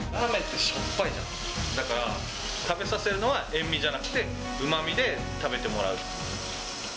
だから、食べさせるのは、塩味じゃなくて、うまみで食べてもらう。